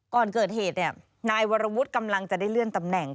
ก่อนเกิดเหตุเนี่ยนายวรวุฒิกำลังจะได้เลื่อนตำแหน่ง